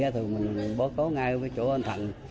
thì mình báo ngay với chỗ anh thạnh